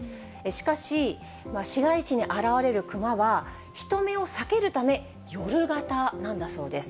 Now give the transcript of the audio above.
しかし、市街地に現れるクマは、人目を避けるため、夜型なんだそうです。